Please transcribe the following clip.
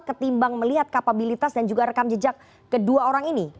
ketimbang melihat kapabilitas dan juga rekam jejak kedua orang ini